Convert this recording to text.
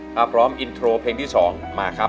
ถ้าพร้อมอินโทรเพลงที่๒มาครับ